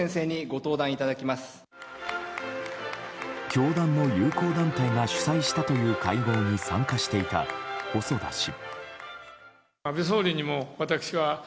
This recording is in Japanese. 教団の友好団体が主催したという会合に参加していた細田氏。